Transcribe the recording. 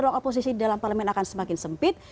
ruang oposisi di dalam parlement akan semakin sempit